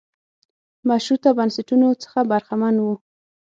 مشروطه بنسټونو څخه برخمن و.